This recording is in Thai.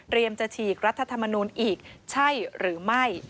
เตรียมจะฉีกรัฐธรรมนุนอีกใช่หรือไม่